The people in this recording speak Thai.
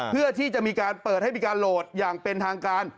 เพื่อที่จะมีการเปิดให้มีการโหลดอย่างเป็นทางการ